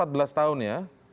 empat belas tahun ya